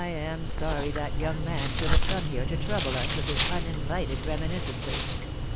I am sorry that young man should have come here to trouble us with his uninvited reminiscences.